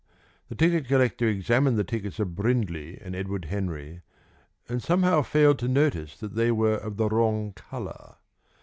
The ticket collector examined the tickets of Brindley and Edward Henry, and somehow failed to notice that they were of the wrong colour.